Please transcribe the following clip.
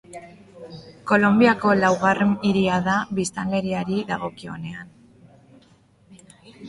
Kolonbiako laugarren hiria da biztanleriari dagokionean.